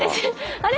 あれ？